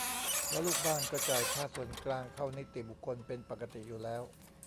แล้วลูกบ้านก็จ่ายค่าส่วนกลางเข้านิติบุคคลเป็นปกติอยู่แล้ว